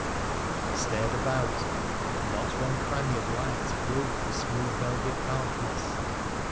I stared about, and not one cranny of light broke the smooth velvet darkness.